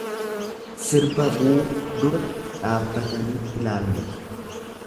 Sirba buu dura dhaabbatanii ilaallatu.